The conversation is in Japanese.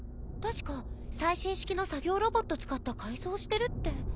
確か最新式の作業ロボット使った改装してるって。